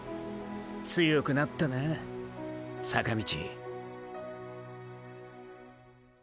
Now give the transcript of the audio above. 強くなったな坂道。